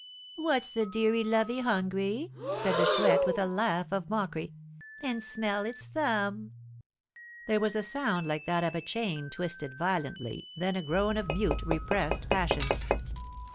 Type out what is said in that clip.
"What's the deary lovey hungry?" said the Chouette, with a laugh of mockery; "then smell its thumb." There was a sound like that of a chain twisted violently; then a groan of mute, repressed passion.